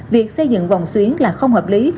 việc xây dựng vòng xuyến là không hợp lý